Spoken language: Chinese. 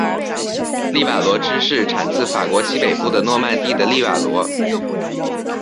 利瓦罗芝士产自法国西北部的诺曼第的利瓦罗。